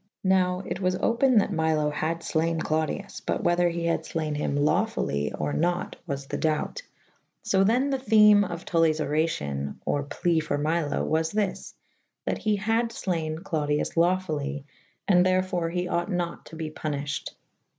Nowe it was opyn that Milo had flayn Clodius / but whether he had flaine him laufully or nat was the doute. So the« the theme of Tullyes oracyon or plee for Milo was thys, that he had flayne Clodius laufully / and therfore he ought nat to be puniffhed.